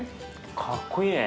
かっこいいね。